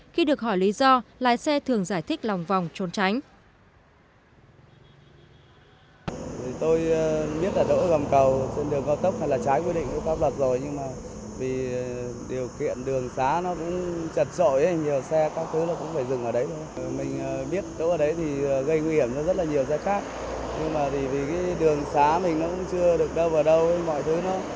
khi được hỏi lý do lái xe thường giải thích lòng vòng trốn tránh